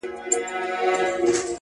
ددې سايه به .پر تا خوره سي.